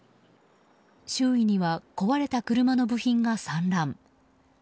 周囲には壊れた車の部品が散乱。